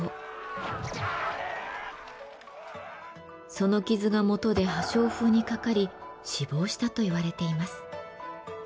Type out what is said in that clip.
その傷がもとで破傷風にかかり死亡したといわれています。